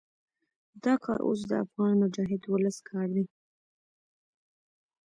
دا کار اوس د افغان مجاهد ولس کار دی.